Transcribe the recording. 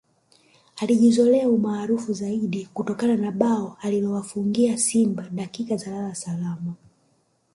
Alijizolea umaarufu zaidi kutokana na bao alilowafungia Simba dakika za lala salama